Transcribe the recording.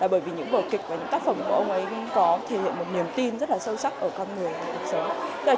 bởi vì những vở kịch và những tác phẩm của ông ấy có thể hiện một niềm tin rất là sâu sắc ở con người cuộc sống